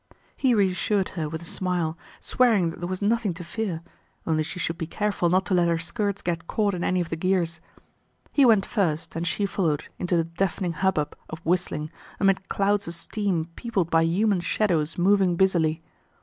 He reassured her with a smile, swearing that there was nothing to fear, only she should be careful not to let her skirts get caught in any of the gears. He went first and she followed into the deafening hubbub of whistling, amid clouds of steam peopled by human shadows moving busily.